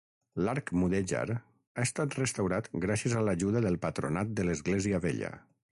L'arc mudèjar ha estat restaurat gràcies a l'ajuda del Patronat de l'Església Vella.